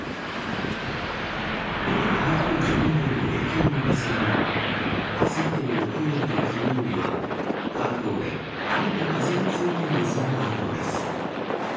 元台風１２号の影響も重なり、あさっての木曜日と金曜日は、関東で雨と風が強まるおそれがあるのです。